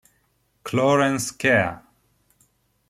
Clarence Kea